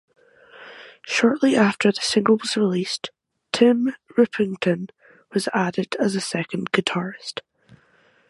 Shortly after the single was released, Tim Rippington was added as a second guitarist.